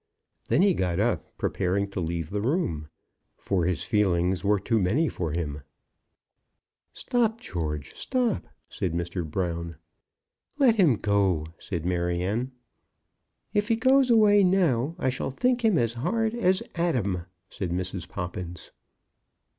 Then he got up, preparing to leave the room, for his feelings were too many for him. "Stop, George, stop," said Mr. Brown. "Let him go," said Maryanne. "If he goes away now I shall think him as hard as Adam," said Mrs. Poppins.